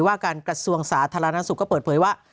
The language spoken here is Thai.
ว่าการกระทรวงสาธารณสุขก็เปิดเผยว่า